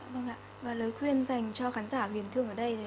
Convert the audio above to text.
vâng ạ và lời khuyên dành cho khán giả huyền thương ở đây